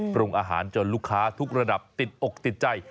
ปรุงอาหารจนลูกค้าทุกระดับติดอกติดใจ